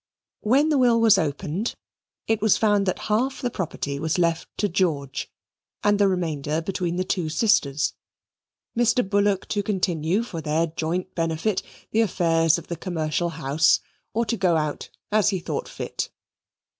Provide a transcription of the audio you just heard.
When the will was opened, it was found that half the property was left to George, and the remainder between the two sisters. Mr. Bullock to continue, for their joint benefit, the affairs of the commercial house, or to go out, as he thought fit.